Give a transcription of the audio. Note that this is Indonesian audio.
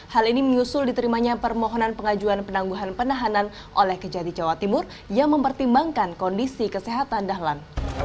hal ini menyusul diterimanya permohonan pengajuan penangguhan penahanan oleh kejati jawa timur yang mempertimbangkan kondisi kesehatan dahlan